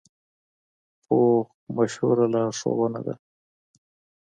پوخ مشوره لارښوونه ده